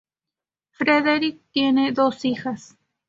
Fredrik tiene dos hijas.